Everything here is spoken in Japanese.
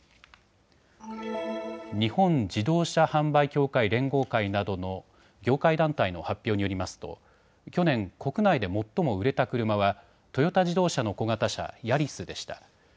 日本自動車販売協会連合会などの業界団体の発表によりますと去年、国内で最も売れた車はトヨタ自動車の小型車、ヤリスでした。